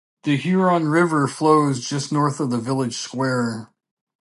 The Huron River flows just north of the village square.